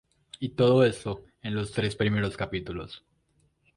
Y todo esto en los tres primeros capítulos.